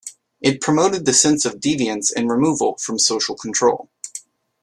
It promoted the sense of deviance and removal from social control.